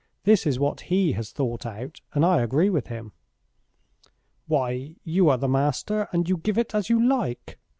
This is what he has thought out, and I agree with him." "Why, you are the master, and you give it as you like.